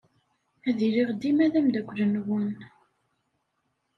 Ad iliɣ dima d ameddakel-nwen.